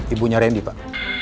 ibunya randy pak